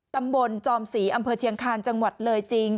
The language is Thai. ตำบลจอมศรีอำเภอเชียงคาญจังหวัดเลยจริง